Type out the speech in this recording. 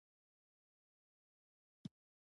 وسله د فطرت ضد ده